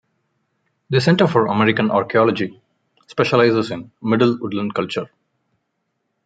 The Center for American Archeology specializes in Middle Woodland culture.